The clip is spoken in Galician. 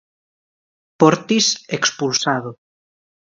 Portis expulsado.